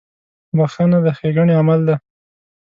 • بخښنه د ښېګڼې عمل دی.